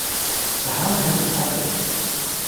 The hound hadn't packed it.